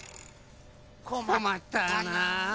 こまったな。